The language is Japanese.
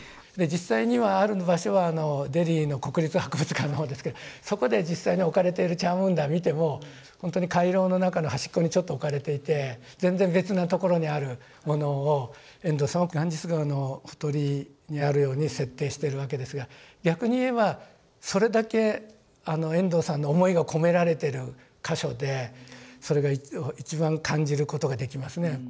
実際にはある場所はデリーの国立博物館の方ですけどそこで実際に置かれているチャームンダーを見てもほんとに回廊の中の端っこにちょっと置かれていて全然別な所にあるものを遠藤さんはガンジス川のほとりにあるように設定しているわけですが逆に言えばそれだけ遠藤さんの思いが込められている箇所でそれが一番感じることができますね。